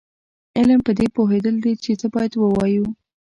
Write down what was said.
علم پدې پوهېدل دي چې څه باید ووایو.